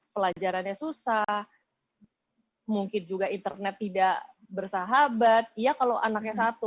pelajarannya susah mungkin juga internet tidak bersahabat ya kalau anaknya satu